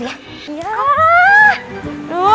rena mau makan pake apa